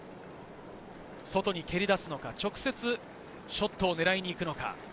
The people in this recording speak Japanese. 外に蹴り出すのか、直接ショットを狙いに行くのか？